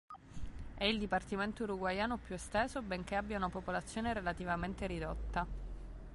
È il dipartimento uruguayano più esteso benché abbia una popolazione relativamente ridotta.